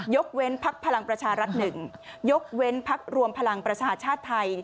ยกเว้นพักพลังประชารัฐหนึ่งยกเว้นพักรวมพลังประชาชาติไทย